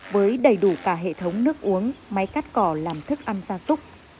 với đầy đủ cả hệ thống nước uống máy cắt cỏ làm thức ăn gia súc